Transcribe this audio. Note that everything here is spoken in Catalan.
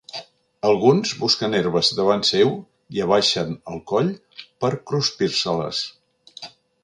Alguns busquen herbes davant seu i abaixen el coll per cruspir-se-les.